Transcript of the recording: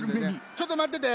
ちょっとまってて。